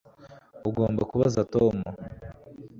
Ugomba kubaza Tom